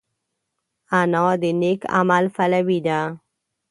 انا د نېک عمل پلوي ده